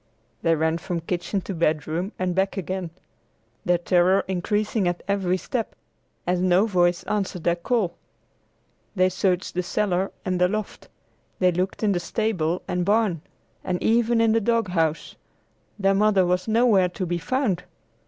They ran from kitchen to bedroom and back again, their terror increasing at every step, as no voice answered their call. They searched the cellar and the loft; they looked in the stable and barn, and even in the dog house. Their mother was nowhere to be found!